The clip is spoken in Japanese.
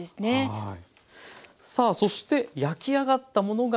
はい。